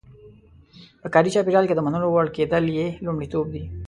په کاري چاپېریال کې د منلو وړ کېدل یې لومړیتوب دی.